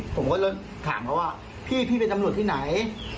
ผมก็เลยถามเขาว่าพี่พี่เป็นตำรวจที่ไหน